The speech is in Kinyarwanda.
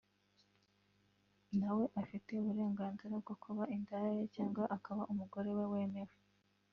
nawe afite uburenganzira bwo kuba indaya ye cg akaba umugore we wemewe